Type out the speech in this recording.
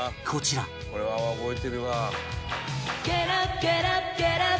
「これは覚えてるわ」